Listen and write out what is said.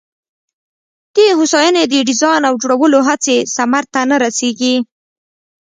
د هوساینه د ډیزاین او جوړولو هڅې ثمر ته نه رسېږي.